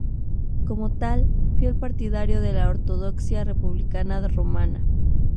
Como tal, fiel partidario de la ortodoxia republicana romana.